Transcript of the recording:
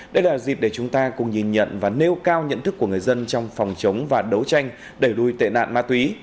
đây là dịp để chúng ta cùng nhìn nhận và nêu cao nhận thức của người dân trong phòng chống và đấu tranh đẩy lùi tệ nạn ma túy